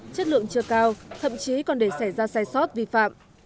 chất lượng chưa cao thậm chí còn để xảy ra sai sót vi phạm